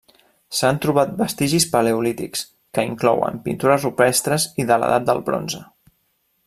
S'han trobat vestigis paleolítics, que inclouen pintures rupestres, i de l'Edat del Bronze.